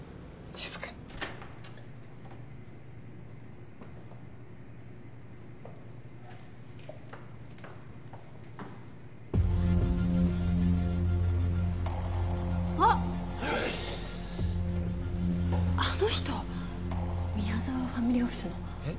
シーッあの人宮沢ファミリーオフィスのえっ？